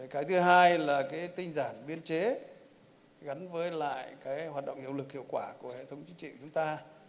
cái thứ hai là cái tinh giản biên chế gắn với lại cái hoạt động hiệu lực hiệu quả của hệ thống chính trị của chúng ta